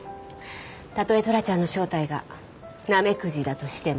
たとえトラちゃんの正体がナメクジだとしてもね。